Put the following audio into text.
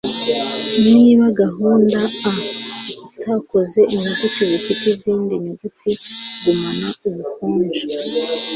niba gahunda a itakoze inyuguti zifite izindi nyuguti ! gumana ubukonje